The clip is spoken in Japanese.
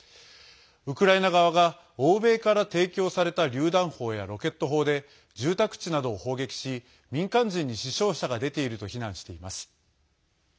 ウクライナ側が欧米から提供されたりゅう弾砲やロケット砲で住宅地などを砲撃し民間人に死傷者が出ていると非難しています。